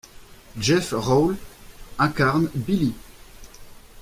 Jeff Rawle incarne Billy.